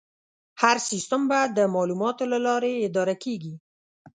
هر سیستم به د معلوماتو له لارې اداره کېږي.